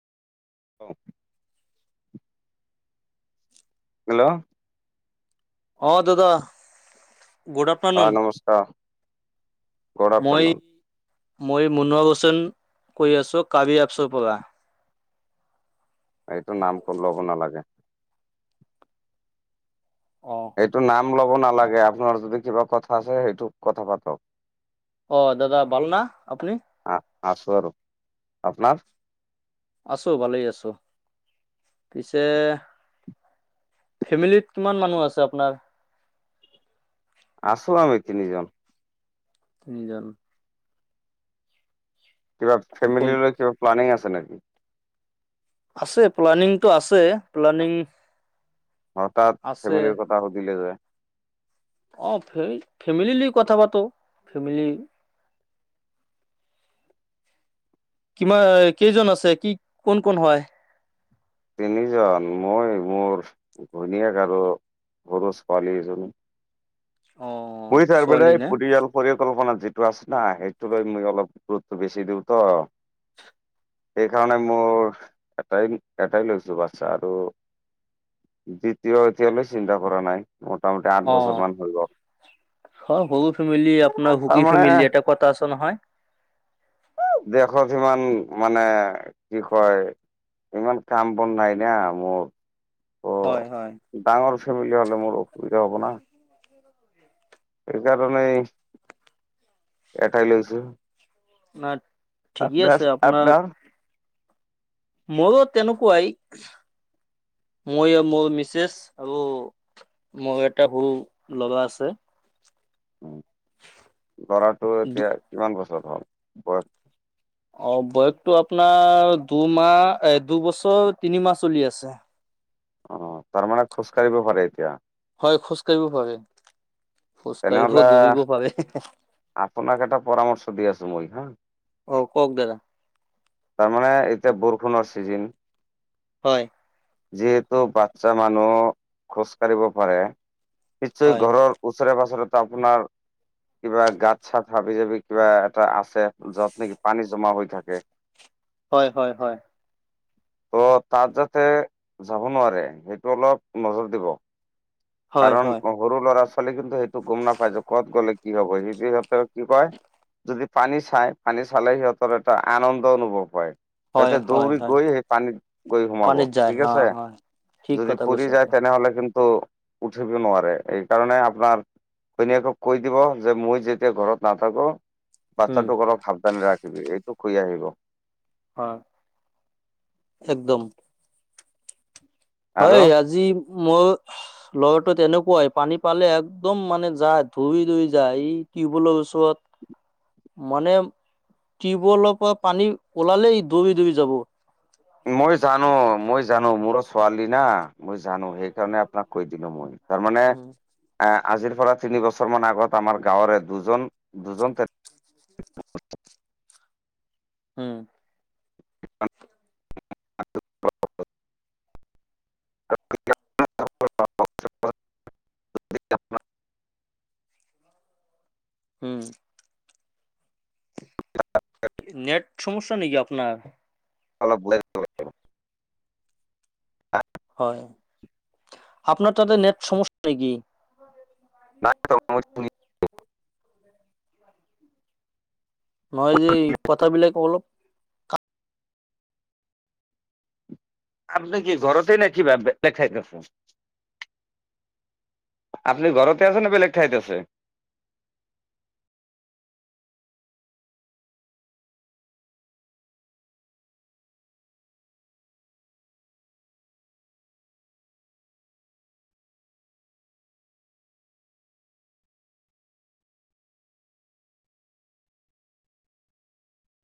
অ। [inaudible] Hello. অ', দাদা। Good হয় আফটাৰনুন, নমস্কাৰ গুড মই আফটাৰনুন মই মনো আগছন, কৈ আছোঁ কাৱি এপছৰ পৰা। এইটো নাম ক ল'ব নালাগে। অ'। এইটো নাম ল'ব নালাগে, আপোনাৰ যদি কিবা কথা আছে, সেইটো কথা পাতক। অ' দাদা ভাল না আপুনি? আ- আছোঁ আৰু, আপোনাৰ? আছোঁ ভালেই আছোঁ। পিছে ফেমিলিত কিমান মানুহ আছে আপোনাৰ? আছোঁ, আমি তিনিজন। তিনিজন। কিবা কোন ফেমিলৈ কিবা প্লানিং আছে নেকি? আছে প্লানিংতটো, আছে প্লানিং। হঠাৎ, আছে ফেমেলিৰ কথা সুধিলে যে? অ', ফে-ফেমেলিলি কথা পাতো, ফেমিলি কিমান কেইজন আছে, কি কোন কোন হয়? তিনিজন মই মোৰ, ঘৈণীয়েক আৰু, সৰু ছোৱালী এজনী। অ [unintelligible] ছোৱালী নে পৰিকল্পনাত যিটো আছে না, সেইটো লৈ মই অলপ গুৰুত্বটো বেছি দিওঁ ত'। সেইকাৰণে মোৰ এটাই, এটাই লৈছোঁ, বাচ্ছা আৰু দ্বিতীয়, এতিয়ালৈ চিন্তা কৰা নাই, মোটামুটি আঠ বছৰ মান হৈ গ। অ', সৰু ফেমিলি আপোনাৰ সুখী তাৰমানে ফেমিলি এটা কথা আছে নহয়। দেশত সিমান মানে, কি কয় ইমান, কাম বন নাই না মোৰ। হয়, হয়। ত' ডাঙৰ ফেমেলি হ'লে, মোৰ অসুবিধা হ'ব না। [inaudible] সেকাৰণেই এটাই লৈছোঁ। না ঠিকেই আছে [unintelligible] মইও তেনেকুৱাই, মই আৰু মোৰ মিছেছ আৰু মোৰ এটা সৰু ল'ৰা আছে। ল'ৰাটো দু এতিয়া কিমান বছৰ হ'ল? বয়স। অ', বয়সতটো আপোনাৰ দুমাহ এ, দুবছৰ তিনিমাহ চলি আছে। অ', তাৰ মানে, খোজকাঢ়িব পাৰে এতিয়া? হয়, খোজকাঢ়িবও পাৰে। খোজ কাঢ়িব তেনেহলে, দৌৰিব পাৰে আপোনাক এটা পৰামৰ্শ দি আছোঁ, মই হা। অ', কক দাদা। তাৰ মানে, এতিয়া বৰষুণৰ ছিজিন। হয়। যিহেতু, বাচ্ছা মানুহ খোজ কাঢ়িব পাৰে। [unintelligible] হয় ঘৰৰ উচৰে, পাছৰেটো আপোনাৰ কিবা গাত-চাত, হাবি-জাবি কিবা এটা আছে, য'ত নেকি পানী জমা হৈ থাকে। হয়, হয়, হয়। ত, তাত যাতে যাব নোৱাৰে, সেইটো অলপ নজৰ দিব। হয় কাৰণ, হয় সৰু ল'ৰা-ছোৱালী কিন্তু সেইটো গ'ম নেপায় যে, ক'ত গ'লে কি হ'ব, [unintelligible] কি কয়‌ যদি পানী চাই, পানী চালে সিহঁতৰ এটা আনন্দ অনুভৱ হয়। হয় সিহঁতে হয় দৌৰি হয় গৈ, সেই পানীত গৈ সোমাব, পানীত যায় ঠিক অ আছে। হয় ঠিক যদি কথা পৰি কৈছে যায়, আপুনি তেনেহলে কিন্তু উঠিব নোৱাৰে, এই কাৰণে আপোনাৰ ঘৈনীয়েকক কৈ দিব, যে মই যেতিয়া ঘৰত নাথাকো উম বাচ্ছাটোক অলপ সাৱধানে ৰাখিবি এইটোক ঘুই আহিব। হয়, একদম। আৰু হয়, আজি মোৰ লগৰটো তেনেকুৱাই পানী পালে একদম মানে যায় দৌৰি, দৌৰি যায় ই টিউবৱেলৰ ওচৰত মানে টিউব ৱেলৰ পৰা পানী ওলালেই দৌৰি, দৌৰি যাব। মই জানোঁ মই জানোঁ মোৰো ছোৱালী না মই জানোঁ সেই কাৰণে আপোনাক কৈ দিলো মই। তাৰমানে উম, আজিৰ পৰা তিনি বছৰ মান আগত আমাৰ গাঁৱৰে দুজন, দুজন উম। [unintelligible] [unintelligible] [unintelligible] উ। নেট সমস্যা নেকি আপোনাৰ। অলপ [unintelligible] [unintelligible] হয় আপোনাৰ তাতে নেট সমস্যা নেকি? [unintelligible] হয় যে কথাবিলাক অলপ আপুনি কি ঘৰতেই নে কিবা বেলেগ ঠাইত আছে? আপুনি ঘৰতে আছে নে বেলেগ ঠাইত আছে?